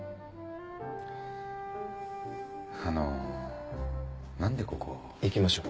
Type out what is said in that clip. あの何でここ。行きましょう。